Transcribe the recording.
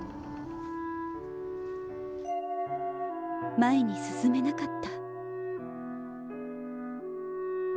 前に進めなかった。